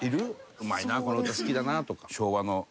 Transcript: うまいなこの歌好きだなとか昭和の。